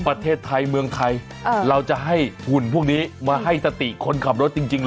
ประเทศไทยเมืองไทยเราจะให้หุ่นพวกนี้มาให้สติคนขับรถจริง